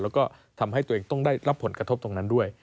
แล้วก็ทำให้ตัวเองต้องได้รับผลกระทบตรงนั้นด้วย